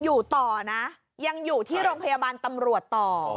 อยู่ต่อนะยังอยู่ที่โรงพยาบาลตำรวจต่อ